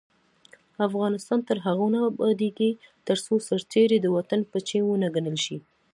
افغانستان تر هغو نه ابادیږي، ترڅو سرتیری د وطن بچی ونه ګڼل شي.